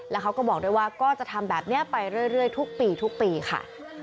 แล้วเขาก็บอกด้วยว่าก็จะทำแบบนี้ไปเรื่อยทุกปีทุกปีค่ะ